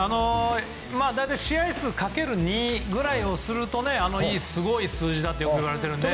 試合数かける２ぐらいをするとすごい数字だといわれていますね。